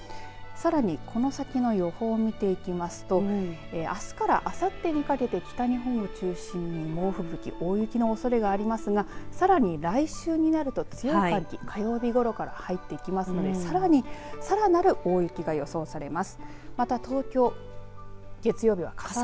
さらに、この先の予報を見ていきますとあすからあさってにかけて北日本を中心に猛吹雪、大雪のおそれがありますがさらに来週になると強い寒気火曜日ごろから入ってきますのでさらなる大雪が予想されます。